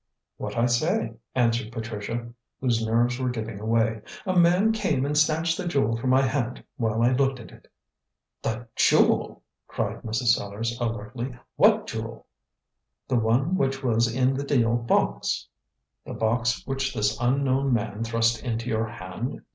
"What I say," answered Patricia, whose nerves were giving way. "A man came and snatched the jewel from my hand while I looked at it." "The jewel!" cried Mrs. Sellars alertly. "What jewel?" "The one which was in the deal box." "The box which this unknown man thrust into your hand?"